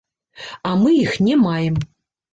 А мы іх не маем.